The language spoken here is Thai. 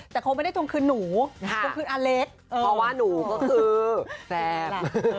แต่คงไม่ได้ทวงคืนหนูทวงคืนอเล็กเพราะว่าหนูก็คือแซม